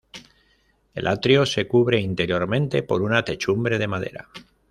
El atrio se cubre interiormente por una techumbre de madera.